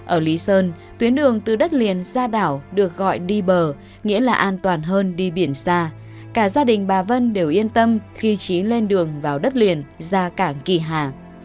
ở lý sơn tuyến đường từ đất liền ra đảo được gọi đi bờ nghĩa là an toàn hơn đi biển xa cả gia đình bà vân đều yên tâm khi trí lên đường vào đất liền ra cảng kỳ hà